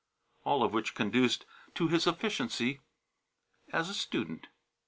All of which conduced to his efficiency as a student.